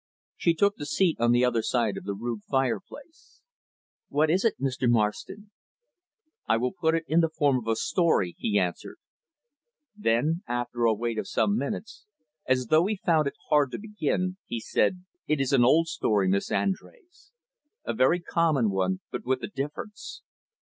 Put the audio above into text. She took the seat on the other side of the rude fireplace. "What is it, Mr. Marston?" "I will put it in the form of a story," he answered. Then, after a wait of some minutes, as though he found it hard to begin, he said, "It is an old story, Miss Andrés; a very common one, but with a difference.